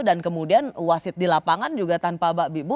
dan kemudian wasit di lapangan juga tanpa bak bibu